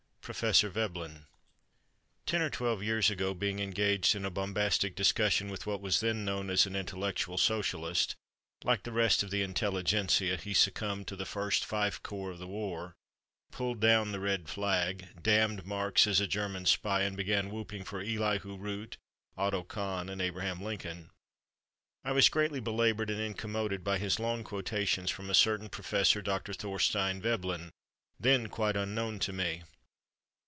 PROFESSOR VEBLEN Ten or twelve years ago, being engaged in a bombastic discussion with what was then known as an intellectual Socialist (like the rest of the intelligentsia, he succumbed to the first fife corps of the war, pulled down the red flag, damned Marx as a German spy, and began whooping for Elihu Root, Otto Kahn and Abraham Lincoln), I was greatly belabored and incommoded by his long quotations from a certain Prof. Dr. Thorstein Veblen, then quite unknown to me.